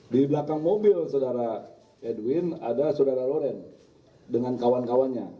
di belakang mobil saudara edwin ada saudara loren dengan kawan kawannya